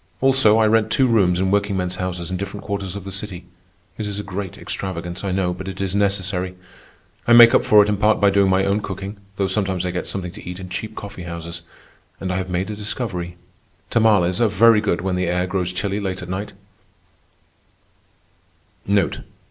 Also, I rent two rooms in workingmen's houses in different quarters of the city. It is a great extravagance, I know, but it is necessary. I make up for it in part by doing my own cooking, though sometimes I get something to eat in cheap coffee houses. And I have made a discovery. Tamales are very good when the air grows chilly late at night.